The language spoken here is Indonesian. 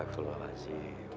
tapi saya lupa jalannya